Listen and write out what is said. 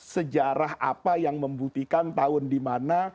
sejarah apa yang membuktikan tahun di mana